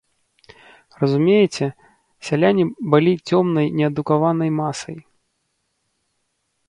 Разумееце, сяляне балі цёмнай неадукаванай масай.